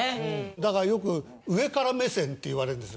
だからよく上から目線って言われるんです。